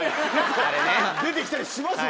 出て来たりしますよね。